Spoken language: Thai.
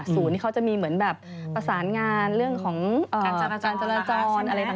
ศูนย์ที่เขาจะมีแบบประสานงานเรื่องของการจราจรอะไรต่างนั่นค่ะ